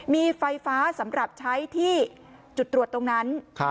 มีไฟฟ้าสำหรับใช้ที่จุดตรวจตรงนั้น